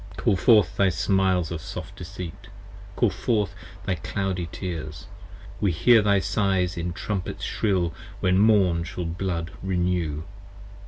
Call forth thy smiles of soft deceit: call forth thy cloudy tears: 55 We hear thy sighs in trumpets shrill when morn shall blood renew.